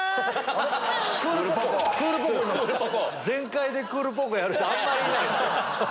全開で「クールポコ。」やる人あんまりいないっすよ。